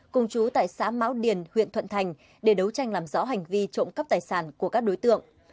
cùng chú tại xã mão điền huyện thuận thành để đấu tranh làm rõ hành vi trộm cắp tài sản của các đối tượng